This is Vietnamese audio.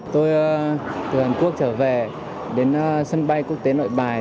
tôi từ hàn quốc trở về đến sân bay quốc tế nội bài